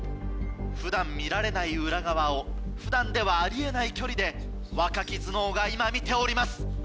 普段見られない裏側を普段ではあり得ない距離で若き頭脳が今見ております！